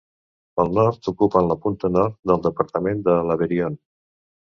Pel nord ocupen la punta nord del departament de l'Aveyron.